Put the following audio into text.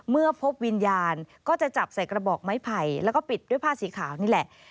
เมื่อพบวิญญาณก็จะจับใส่กระบอกไม้ไผ่แล้วก็ปิดด้วยผ้าสีขาวนี่แหละ